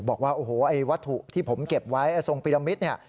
บอกว่าโอ้โหไอ้วัตถุที่ผมเก็บไว้ทรงปีละมิตรเนี่ย